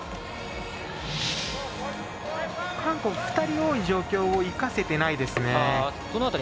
韓国、２人多い状況を生かせてないですね。